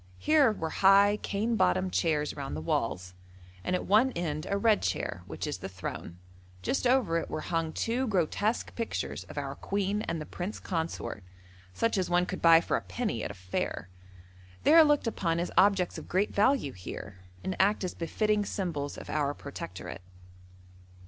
Here were high, cane bottomed chairs around the walls, and at one end a red chair, which is the throne; just over it were hung two grotesque pictures of our Queen and the Prince Consort, such as one could buy for a penny at a fair. They are looked upon as objects of great value here, and act as befitting symbols of our protectorate.